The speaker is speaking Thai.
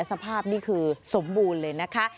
สภาพนี่คือสมบูรณ์เลยนะคะ